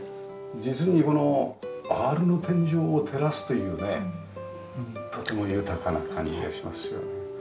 実にこのアールの天井を照らすというねとても豊かな感じがしますよね。